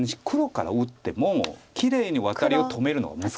黒から打ってもきれいにワタリを止めるのは。